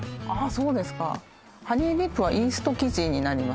そうですかハニーディップはイースト生地になります